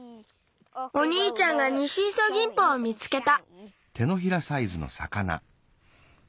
おにいちゃんがニシイソギンポを見つけた。